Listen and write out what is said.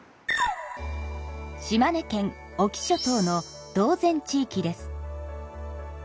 島根県隠岐諸島の島前地域です。